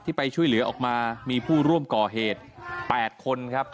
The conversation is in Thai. ไปช่วยเหลือออกมามีผู้ร่วมก่อเหตุ๘คนครับ